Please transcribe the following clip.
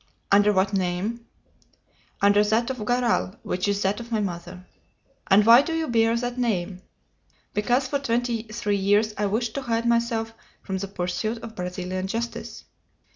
"Under what name?" "Under that of Garral, which is that of my mother." "And why do you bear that name?" "Because for twenty three years I wished to hide myself from the pursuit of Brazilian justice."